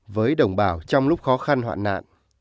với đồng bào trong lúc khó khăn hoạn nạn